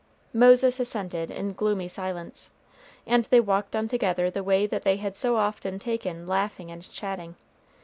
Moses assented in gloomy silence, and they walked on together the way that they had so often taken laughing and chatting.